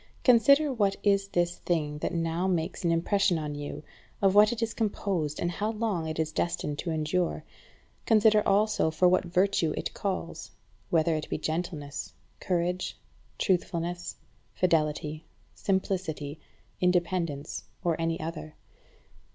Consider what is this thing that now makes an impression on you, of what it is composed, and how long it is destined to endure. Consider also for what virtue it calls; whether it be gentleness, courage, truthfulness, fidelity, simplicity, independence, or any other.